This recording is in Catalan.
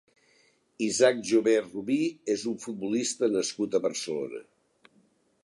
Isaac Jové Rubí és un futbolista nascut a Barcelona.